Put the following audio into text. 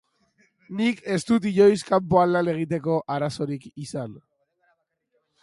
Nik ez dut inoiz kanpoan lan egiteko arazorik izan.